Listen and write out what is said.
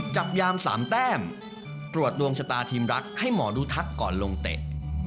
จับยาม๓แต้มตรวจดวงชะตาทีมรักให้หมอดูทักก่อนลงเตะ